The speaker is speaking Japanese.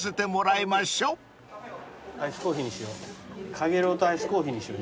かげろうとアイスコーヒーにしよう。